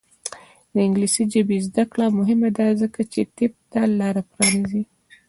د انګلیسي ژبې زده کړه مهمه ده ځکه چې طب ته لاره پرانیزي.